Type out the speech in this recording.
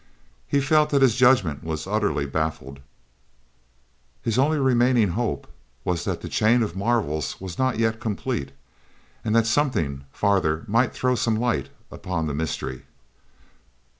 He felt that his judgment was utterly baffled; his only remaining hope was that the chain of marvels was not yet complete, and that something farther might throw some light upon the mystery.